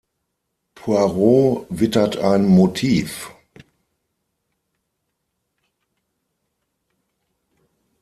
Poirot wittert ein Motiv.